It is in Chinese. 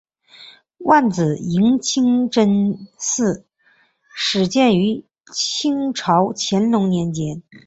万子营清真寺始建于清朝乾隆年间。